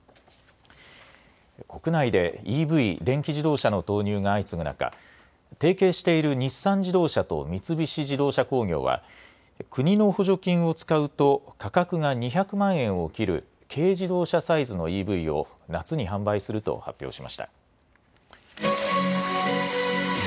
国内で、ＥＶ・電気自動車の投入が相次ぐ中、提携している日産自動車と三菱自動車工業は、国の補助金を使うと価格が２００万円を切る、軽自動車サイズのＥＶを夏に販売すると発表しました。